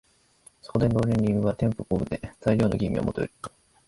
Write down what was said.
そこで料理人は転手古舞で、材料の吟味はもとより、